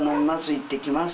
行ってきます